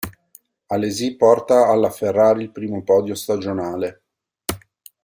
Alesi porta alla Ferrari il primo podio stagionale.